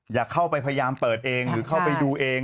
อย่าเข้าไปพยายามเปิดเองหรือเข้าไปดูเอง